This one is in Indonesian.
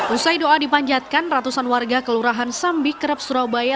usai doa dipanjatkan ratusan warga kelurahan sambi kerep surabaya